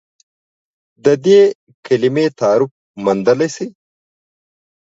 د دې کلمې تعریف موندلی شئ؟